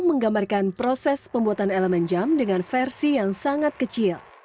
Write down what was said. menggambarkan proses pembuatan elemen jam dengan versi yang sangat kecil